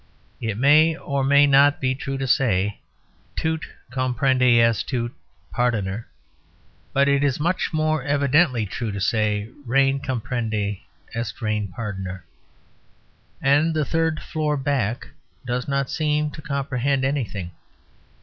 It may, or may not, be true to say, "Tout comprendre est tout pardonner." But it is much more evidently true to say, "Rien comprendre est rien Pardonner," and the "Third Floor Back" does not seem to comprehend anything.